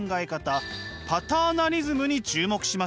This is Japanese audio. パターナリズムに注目しました。